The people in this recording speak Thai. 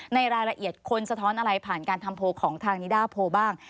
ในรายละเอียดคนสะท้อนอะไรผ่านการทำโพลของทางนิดาโพลบ้าง